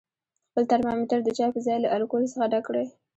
خپل ترمامتر د چای په ځای له الکولو څخه ډک کړئ.